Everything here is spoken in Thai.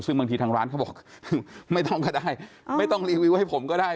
ซึ่งบางทีทางร้านเขาบอกไม่ต้องก็ได้ไม่ต้องรีวิวให้ผมก็ได้